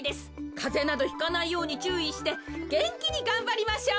かぜなどひかないようにちゅういしてげんきにがんばりましょう。